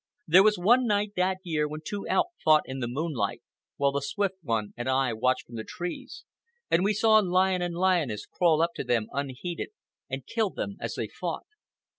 There was one night that year when two elk fought in the moonlight, while the Swift One and I watched from the trees; and we saw a lion and lioness crawl up to them unheeded, and kill them as they fought.